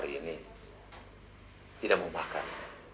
selamat siang dokter